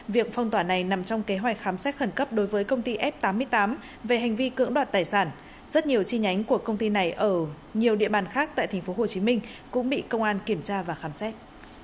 việc phong tỏa này nằm trong kế hoạch khám xét khẩn cấp đối với công ty f tám mươi tám về hành vi cưỡng đoạt tài sản rất nhiều chi nhánh của công ty này ở nhiều địa bàn khác tại tp hcm cũng bị công an kiểm tra và khám xét